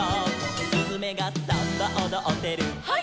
「すずめがサンバおどってる」「ハイ！」